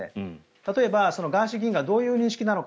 例えばガーシー議員がどういう認識なのか。